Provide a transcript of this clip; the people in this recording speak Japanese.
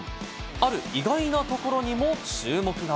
ある意外なところにも注目が。